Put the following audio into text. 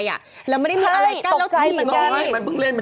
ใช่ตกใจสักที